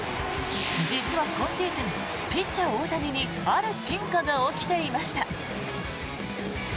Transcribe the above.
実は今シーズンピッチャー・大谷にある進化が起きていました。